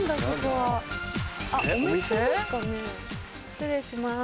失礼します。